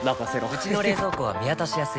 うちの冷蔵庫は見渡しやすい